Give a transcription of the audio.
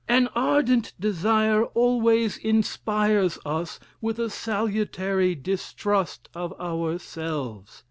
An ardent desire always inspires us with a salutary distrust of ourselves.